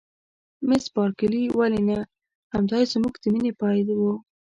مس بارکلي: ولې نه؟ همدای زموږ د مینې پای و.